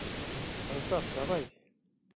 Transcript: Ансаф, давай!